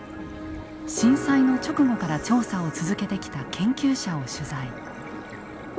震災の直後から調査を続けてきた研究者を取材。